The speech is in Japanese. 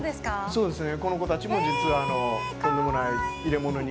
そうですね。